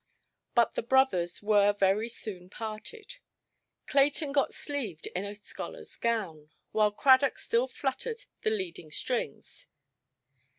But the brothers were very soon parted. Clayton got sleeved in a scholarʼs gown, while Cradock still fluttered the leading–strings.